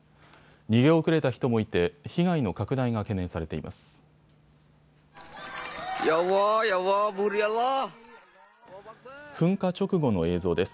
逃げ遅れた人もいて被害の拡大が懸念されています。